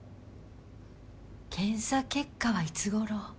検査結果はいつごろ？